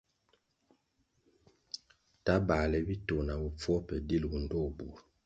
Ta bāle bitoh na bopfuo pe dilʼgu ndtoh bur.